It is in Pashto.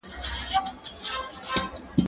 زه د ښوونځی لپاره تياری کړی دی!.